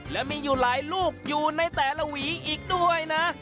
และมีอยู่หลายลูกอยู่ในแต่ละหวีอีกด้วยนะ